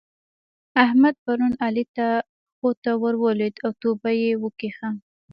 احمد پرون علي ته پښو ته ور ولېد او توبه يې وکښه.